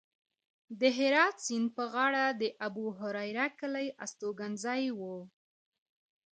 د فرات سیند په غاړه د ابوهریره کلی هستوګنځی و